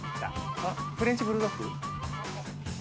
フレンチ・ブルドッグ？